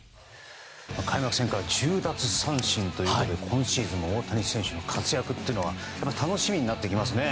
開幕戦から１０奪三振ということで今シーズン、大谷選手の活躍が楽しみになってきますね。